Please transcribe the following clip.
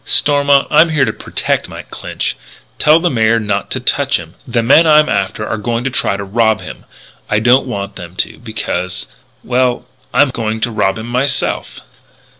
"Stormont, I'm here to protect Mike Clinch. Tell the Mayor not to touch him. The men I'm after are going to try to rob him. I don't want them to because well, I'm going to rob him myself."